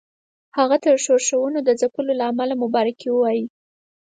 هغه ته د ښورښونو د ځپلو له امله مبارکي ووايي.